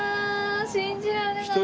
信じられない。